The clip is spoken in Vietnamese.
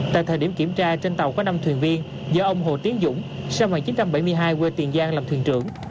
tại thời điểm kiểm tra trên tàu có năm thuyền viên do ông hồ tiến dũng sinh năm một nghìn chín trăm bảy mươi hai quê tiền giang làm thuyền trưởng